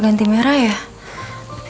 kondisi ini ada apa